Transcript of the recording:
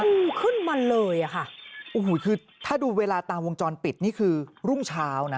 งูขึ้นมาเลยอ่ะค่ะโอ้โหคือถ้าดูเวลาตามวงจรปิดนี่คือรุ่งเช้านะ